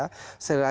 kita akan menawarkan